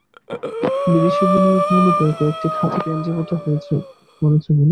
বিদেশি বিনিয়োগ মূলত কয়েকটি খাতে কেন্দ্রীভূত হয়ে পড়েছে বলে মনে হয়।